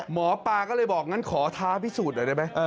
หมอปลาก็เลยบอกงั้นขอท้าพิสูจน์หน่อยได้ไหม